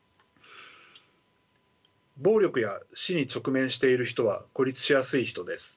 暴力や死に直面している人は孤立しやすい人です。